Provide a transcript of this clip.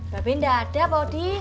babenya gak ada pau di